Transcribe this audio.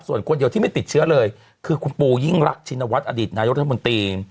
ส่วนคนเดียวที่ไม่ติดเชื้อเลยคือคุณปูยิ่งรักชินวัฒนอดีตนายกรัฐมนตรี